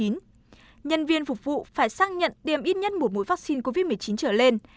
nhân viên phục vụ phải xác nhận tiêm ít nhất một mũi vaccine covid một mươi chín trở lên